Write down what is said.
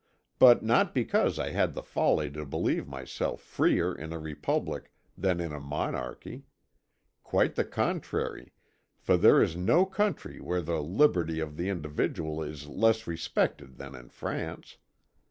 But not because I had the folly to believe myself freer in a republic than in a monarchy. Quite the contrary, for there is no country where the liberty of the individual is less respected than in France.